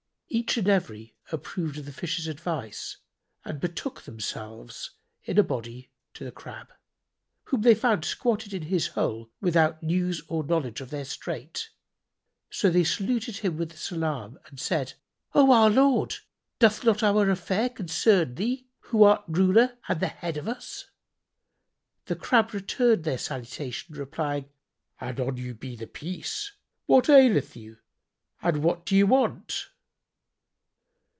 Each and every approved of the Fish's advice and betook themselves in a body to the Crab, whom they found squatted in his hole, without news or knowledge of their strait. So they saluted him with the salam and said, "O our lord, doth not our affair concern thee, who art ruler and the head of us?" The Crab returned their salutation, replying, "And on you be The Peace! What aileth you and what d'ye want?"